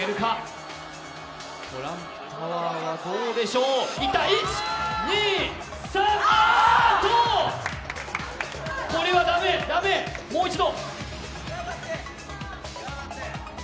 トランプタワーはどうでしょう、いった、１、２、３あーっと、これは駄目、もう一度！